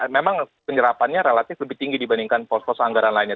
memang penyerapannya relatif lebih tinggi dibandingkan pos pos anggaran lainnya